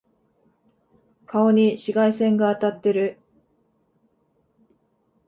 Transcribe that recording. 顔に紫外線が当たってる。